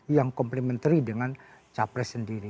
yang komplementari dengan cawapres sendiri